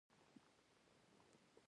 آیا کاناډا د نشه یي توکو کښت لري؟